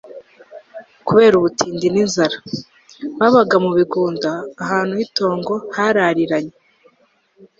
kubera ubutindi n'inzara. babaga mu bigunda, ahantu h'itongo harariranye